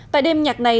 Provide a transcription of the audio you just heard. tại đêm nhạc này